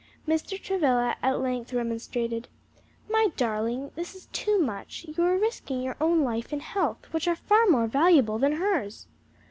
Mr. Travilla at length remonstrated, "My darling, this is too much, you are risking your own life and health, which are far more valuable than hers."